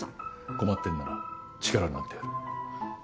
困ってんなら力になってやる。